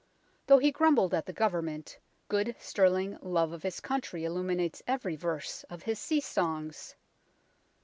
Though he grumbled at the Government, good sterling love of his country illuminates every verse of his sea songs.